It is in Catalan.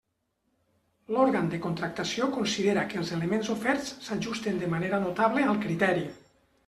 L'òrgan de contractació considera que els elements oferts s'ajusten de manera notable al criteri.